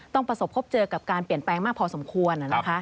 ประสบพบเจอกับการเปลี่ยนแปลงมากพอสมควร